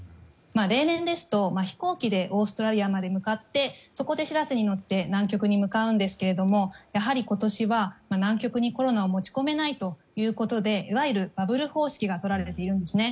例年ですと、飛行機でオーストラリアまで向かってそこで「しらせ」に乗って南極に向かうんですがやはり、今年は南極にコロナを持ち込めないということでいわゆるバブル方式がとられているんですね。